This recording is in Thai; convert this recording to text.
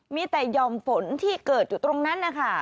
มีแต่ยอมฝนที่เกิดอยู่ตรงนั้นนะคะ